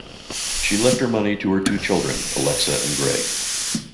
She left her money to her two children, Alexa and Greg.